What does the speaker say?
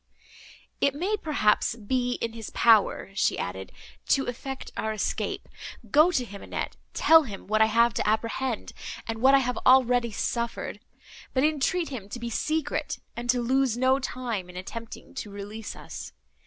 "It may, perhaps, be in his power," she added, "to effect our escape. Go to him, Annette, tell him what I have to apprehend, and what I have already suffered; but entreat him to be secret, and to lose no time in attempting to release us.